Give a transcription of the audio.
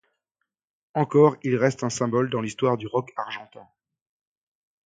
Encore, il reste un symbole dans l'histoire du rock argentin.